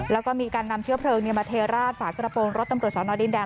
แล้วก็มีการนำเชื้อเพลิงมาเทราดฝากระโปรงรถตำรวจสอนอดินแดง